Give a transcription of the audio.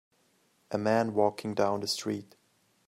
A man walking down the street.